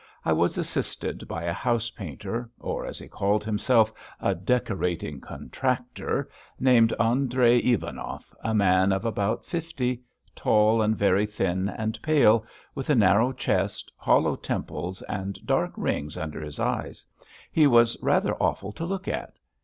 I was assisted by a house painter, or, as he called himself, a decorating contractor, named Andrey Ivanov, a man of about fifty, tall and very thin and pale, with a narrow chest, hollow temples, and dark rings under his eyes, he was rather awful to look at.